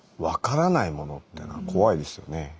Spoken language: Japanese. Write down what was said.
分からないものっていうのは怖いですよね。